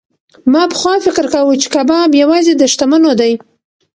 ما پخوا فکر کاوه چې کباب یوازې د شتمنو دی.